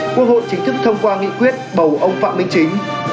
quốc hội chính thức thông qua nghị quyết bầu ông phạm minh chính